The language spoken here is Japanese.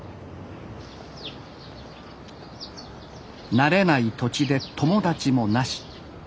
慣れない土地で友達もなし。